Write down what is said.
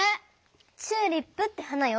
チューリップって花よ。